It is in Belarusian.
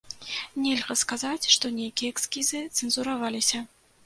Нельга сказаць, што нейкія эскізы цэнзураваліся.